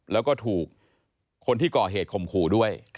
แล้วก็ถูกคนที่ก่อเหตุข่มขู่ด้วย